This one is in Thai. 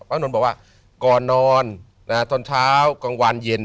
นนท์บอกว่าก่อนนอนตอนเช้ากลางวันเย็น